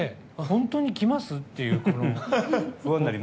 本当に来ます？って。